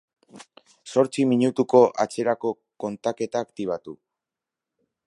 Zortzi minutuko atzerako kontaketa aktibatu